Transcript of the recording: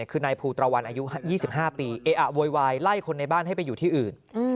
คือนายภูตรวันอายุ๒๕ปีเออะโวยวายไล่คนในบ้านให้ไปอยู่ที่อื่น